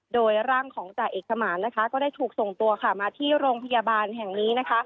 โดยร่างของจ่าเอกสมานนะคะก็ได้ถูกส่งตัวมาที่โรงพยาบาลแห่งนี้นะคะ